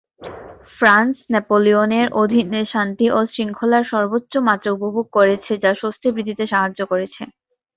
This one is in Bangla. ফ্রান্স "নেপোলিয়নের" অধীনে শান্তি ও শৃঙ্খলার সর্বোচ্চ মাত্রা উপভোগ করেছে যা স্বস্তি বৃদ্ধিতে সাহায্য করেছে।